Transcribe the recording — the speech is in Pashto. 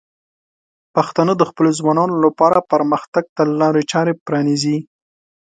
پښتانه د خپلو ځوانانو لپاره پرمختګ ته لارې چارې پرانیزي.